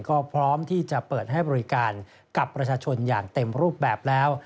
ก็พร้อมที่จะเปิดให้บริการกับประชาชนอย่างเต็มรูปแบบแล้ว